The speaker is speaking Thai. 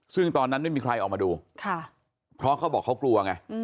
ซึ่งตอนนั้นไม่มีใครออกมาดูเพราะเขาบอกเขากลัวไง